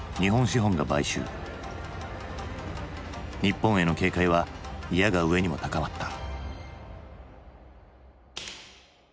日本への警戒はいやが上にも高まった。